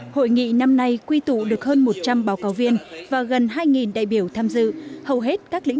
hội nghị năm nay quy tụ được hơn một trăm linh báo cáo viên và gần hai đại biểu tham dự hầu hết các lĩnh